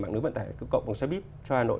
mạng lưới vận tải không cộng và xe bíp cho hà nội